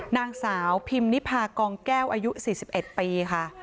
นางสาวพิมนิพากองแก้วอายุ๔๑ปีค่ะ